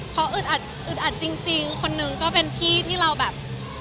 พออึดอัดอึดอัดจริงคนนึงก็เป็นพี่ที่เราแบบ